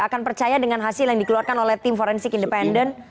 akan percaya dengan hasil yang dikeluarkan oleh tim forensik independen